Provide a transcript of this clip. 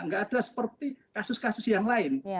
nggak ada seperti kasus kasus yang lain